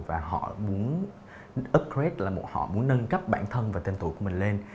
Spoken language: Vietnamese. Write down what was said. và họ muốn upgrade họ muốn nâng cấp bản thân và tên tụ của mình lên